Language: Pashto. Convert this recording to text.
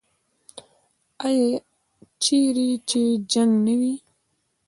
آیا چیرې چې جنګ نه وي؟